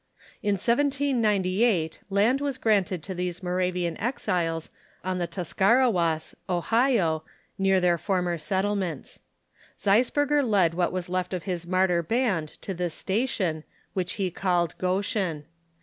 In 1798 land was granted to these Moravian exiles on the Tuscarawas, Oliio, near their for mer settlements. Zeisberger led what was left of his martyr band to this station, which he called Goshen.